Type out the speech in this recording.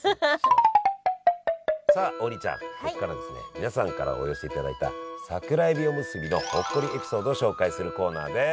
皆さんからお寄せいただいた桜えびおむすびのほっこりエピソードを紹介するコーナーです！